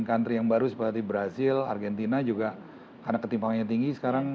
dari operasori baru baru seperti brazil dan argentina karena ketimpangan yang tinggi